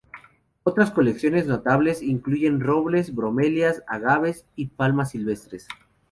Otras colecciones notables incluyen robles, bromelias, agaves y palmas silvestres.